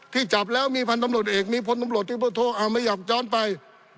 ที่จับแล้วมีพันธมโลกเอกมีพุทธมโลกทุพธเอาไปยกจ้อนไป